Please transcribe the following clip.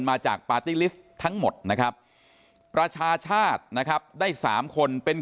มาจากปาร์ตี้ลิสต์ทั้งหมดนะครับประชาชาตินะครับได้๓คนเป็น